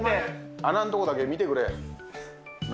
穴んとこだけ見てくれ。